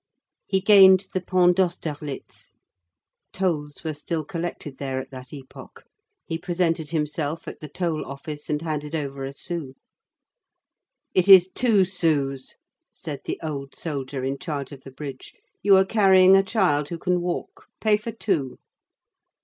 He gained the Pont d'Austerlitz. Tolls were still collected there at that epoch. He presented himself at the toll office and handed over a sou. "It is two sous," said the old soldier in charge of the bridge. "You are carrying a child who can walk. Pay for two."